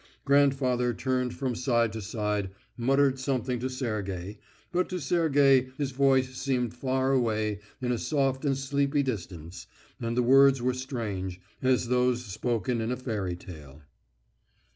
Grandfather turned from side to side, muttered something to Sergey, but to Sergey his voice seemed far away in a soft and sleepy distance, and the words were strange, as those spoken in a fairy tale.